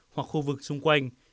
hoặc khu vực xung quanh